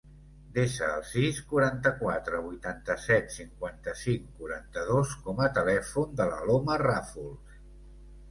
Desa el sis, quaranta-quatre, vuitanta-set, cinquanta-cinc, quaranta-dos com a telèfon de l'Aloma Rafols.